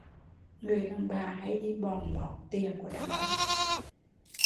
Người đàn bà hay đi bòn mót tiền của đàn ông